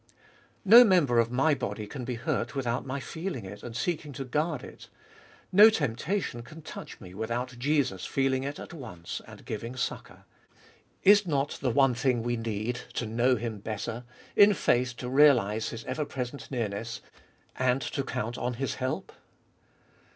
2. No member of my body can be hurt without my feeling it and seeking to guard it. No temptation can touch me without Jesus feeling it at once, and giving succour. Is not the one thing we need to know Him better, in faith to realise His ever present nearness, and to count on His help